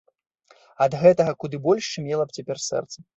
Ад гэтага куды больш шчымела б цяпер сэрца.